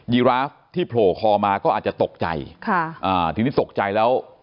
ีราฟที่โผล่คอมาก็อาจจะตกใจค่ะอ่าทีนี้ตกใจแล้ว